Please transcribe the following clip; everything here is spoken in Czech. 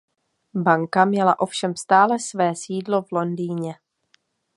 Banka měla ovšem stále své sídlo v Londýně.